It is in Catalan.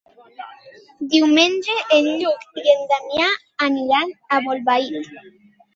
Diumenge en Lluc i en Damià aniran a Bolbait.